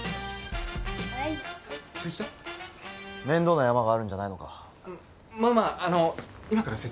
面倒なヤマがあるんじゃないのか？